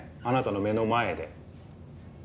あなたの目の前で。